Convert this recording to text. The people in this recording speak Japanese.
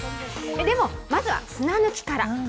でも、まずは砂抜きから。